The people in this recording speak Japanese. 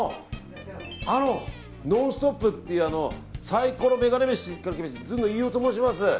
「ノンストップ！」っていうサイコロメガネ飯という企画でずんの飯尾と申します。